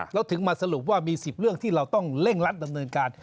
เราถึงมาสรุปว่ามี๑๐เรื่องที่เราต้องเร่งรัดดำเนินการ